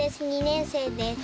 ２年生です。